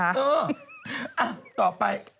อ้าวต่อไป